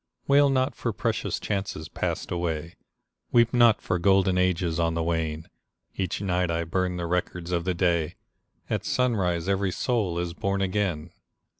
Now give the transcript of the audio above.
[ 27 ] Selected Poems Wail not for precious chances passed away, Weep not for golden ages on the wane ! Each night I burn the records of the day, — At sunrise every soul is born again